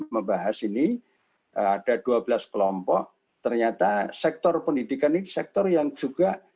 membahas ini ada dua belas kelompok ternyata sektor pendidikan ini sektor yang juga